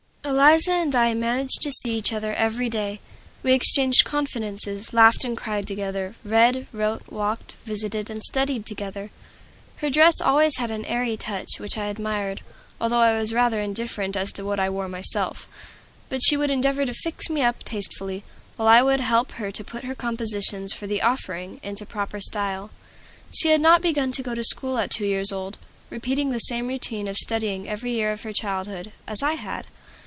Eliza and I managed to see each other every day; we exchanged confidences, laughed and cried together, read, wrote, walked, visited, and studied together. Her dress always had an airy touch which I admired, although I was rather indifferent as to what I wore myself. But she would endeavor to "fix me up" tastefully, while I would help her to put her compositions for the "Offering" into proper style. She had not begun to go to school at two years old, repeating the same routine of study every year of her childhood, as I had.